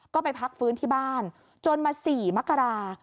ก็ไปพักฟื้นที่บ้านจนมา๔มกรา